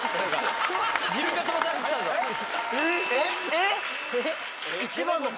えっ